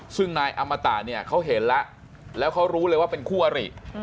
ซึ่งนายอมตะเนี่ยเขาเห็นแล้วแล้วเขารู้เลยว่าเป็นคู่อริ